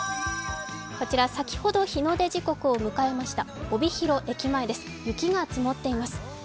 こちらは先ほど日の出時刻を迎えました、帯広駅前です、雪が積もっています。